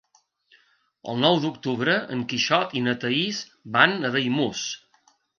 El nou d'octubre en Quixot i na Thaís van a Daimús.